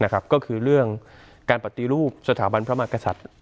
ก็คือเรื่องการปฏิรูปสถาบันพระมหากษัตริย์